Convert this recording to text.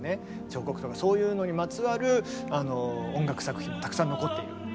彫刻とかそういうのにまつわる音楽作品もたくさん残っている。